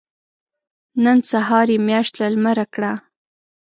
نن سهار يې مياشت له لمره کړه.